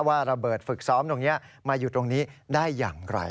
ว่าระเบิดฝึกซ้อมตรงนี้มาอยู่ตรงนี้ได้อย่างไร